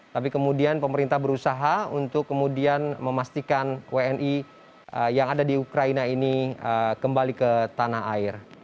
tapi kemudian pemerintah berusaha untuk kemudian memastikan wni yang ada di ukraina ini kembali ke tanah air